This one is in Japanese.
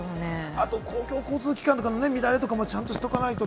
あと公共交通機関の乱れとかも、ちゃんとしておかないと。